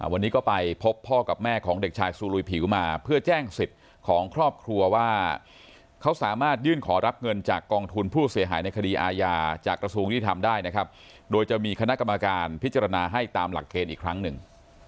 วันนี้ก็ไปพบพ่อกับแม่ของเด็กชายซูลุยผิวมาเพื่อแจ้งสิทธิ์ของครอบครัวว่าเขาสามารถยื่นขอรับเงินจากกองทุนผู้เสียหายในคดีอาญาจากกระทรวงยุติธรรมได้นะครับโดยจะมีคณะกรรมการพิจารณาให้ตามหลักเกณฑ์อีกครั้งหนึ่ง